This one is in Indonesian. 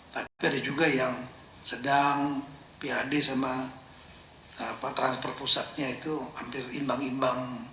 tapi ada juga yang sedang pad sama transfer pusatnya itu hampir imbang imbang